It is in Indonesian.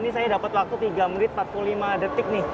ini saya dapat waktu tiga menit empat puluh lima detik nih